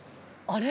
あれ？